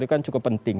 itu kan cukup penting